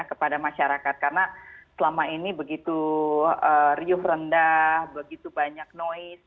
kepada masyarakat karena selama ini begitu riuh rendah begitu banyak noise